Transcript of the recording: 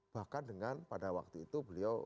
bahkan dengan pada waktu itu beliau